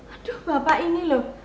aduh bapak ini loh